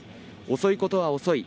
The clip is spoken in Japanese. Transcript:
遅いことは遅い。